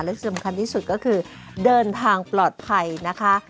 และสำคัญที่สุดก็คือเดินทางปลอดภัยนะคะ